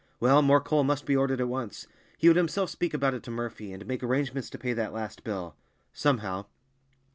Well, more coal must be ordered at once; he would himself speak about it to Murphy, and make arrangements to pay that last bill—somehow.